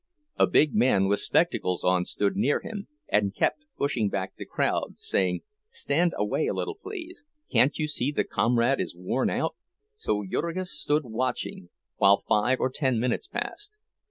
A big man with spectacles on stood near him, and kept pushing back the crowd, saying, "Stand away a little, please; can't you see the comrade is worn out?" So Jurgis stood watching, while five or ten minutes passed.